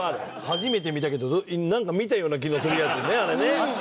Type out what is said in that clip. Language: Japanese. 初めて見たけどなんか見たような気のするやつねあれね。